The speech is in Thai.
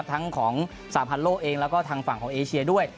ทั้งของสาพันธ์โลกเองแล้วก็ทางฝั่งของเอเชียด้วย